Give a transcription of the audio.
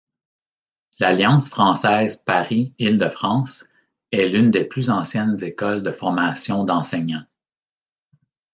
L’Alliance française Paris Île-de-France est l’une des plus anciennes écoles de formation d’enseignants.